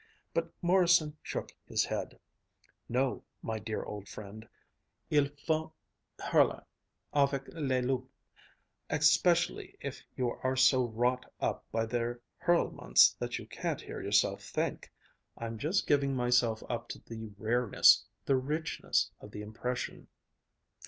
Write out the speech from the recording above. But Morrison shook his head, "No, my dear old friend. Il faut hurler avec les loups especially if you are so wrought up by their hurlements that you can't hear yourself think. I'm just giving myself up to the rareness, the richness of the impression."